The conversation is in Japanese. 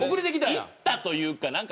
行ったというかなんか。